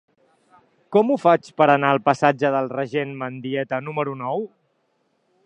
Com ho faig per anar al passatge del Regent Mendieta número nou?